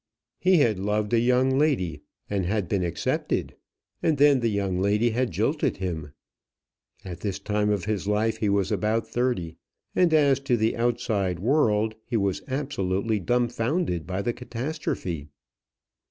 He had loved a young lady, and had been accepted; and then the young lady had jilted him. At this time of his life he was about thirty; and as to the outside world, he was absolutely dumfounded by the catastrophe.